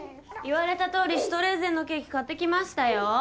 言われたとおりシュトレーゼンのケーキ買ってきましたよ。